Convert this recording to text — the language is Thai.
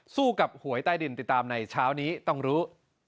สู้กับหวยใต้ดินติดตามในเช้านี้ต้องรู้